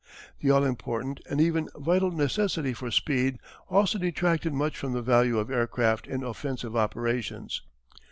_] The all important and even vital necessity for speed also detracted much from the value of aircraft in offensive operations.